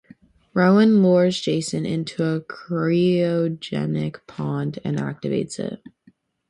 Rowan lures Jason into a cryogenic pod and activates it.